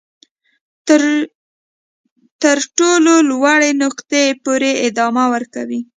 تر تر ټولو لوړې نقطې پورې ادامه ورکوي.